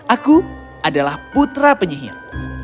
aku adalah putra penyihir